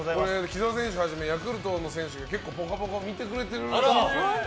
木澤選手はじめヤクルトの選手は結構、「ぽかぽか」を見てくれてるらしいね。